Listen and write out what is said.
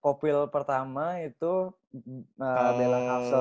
popwil pertama itu berlaku kalau seloshanye